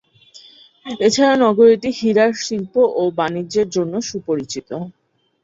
এছাড়া নগরীটি হীরার শিল্প ও বাণিজ্যের জন্য সুপরিচিত।